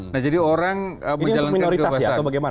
nah jadi orang menjalankan kekuasaan